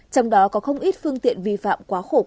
trong đó có không ít phương tiện vi phạm quá khổ quá tải